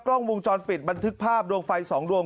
กล้องวงจรปิดบันทึกภาพดวงไฟสองดวง